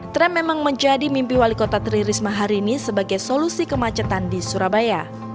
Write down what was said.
tram memang menjadi mimpi wali kota tri risma hari ini sebagai solusi kemacetan di surabaya